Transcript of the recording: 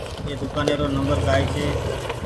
ايِ دوڪآني رو نمبر ڪآئي ڇي۔